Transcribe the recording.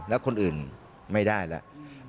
แล้วคนอื่นไม่ได้แล้ว